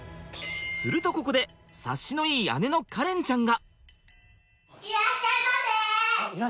するとここで察しのいい姉の香蓮ちゃんが。